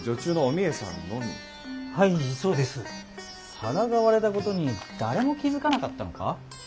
皿が割れたことに誰も気付かなかったのか？